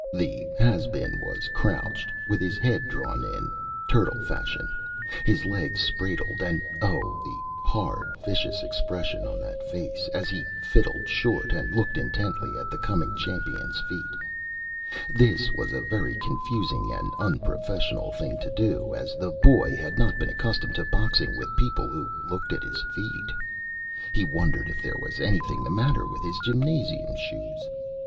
The Has Been was crouched, with his Head drawn in, turtle fashion, his Legs spraddled, and oh, the hard, vicious Expression on that Face, as he Fiddled Short and looked intently at the Coming Champion's Feet. This was a very confusing and unprofessional Thing to do, as the Boy had not been accustomed to boxing with People who looked at his Feet. He wondered if there was anything the matter with his Gymnasium Shoes.